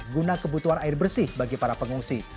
guna kebutuhan air bersih bagi para pengungsi